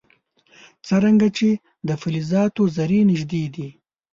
څرنګه چې د فلزاتو ذرې نژدې دي.